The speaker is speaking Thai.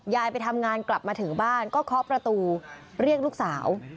ไปทำงานกลับมาถึงบ้านก็เคาะประตูเรียกลูกสาว